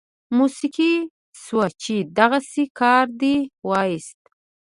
موسکی شو چې دغسې کار دې وایست.